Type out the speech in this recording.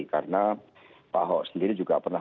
karena pak ahok sendiri juga pernah